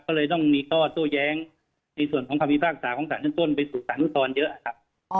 ก็เลยต้องมีข้อโตแย้งในส่วนของความมีภาคศาสตร์ของศาสตร์เช่นต้นไปสู่ศาลทุกธรรมเยอะครับ